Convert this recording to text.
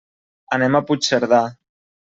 Anem a Puigcerdà.